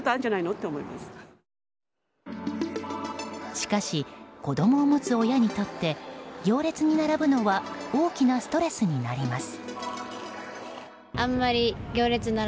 しかし、子供を持つ親にとって行列に並ぶのは大きなストレスになります。